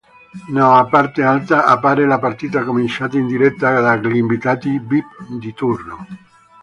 Nella parte alta appare la partita commentata in diretta dagli inviati vip di turno.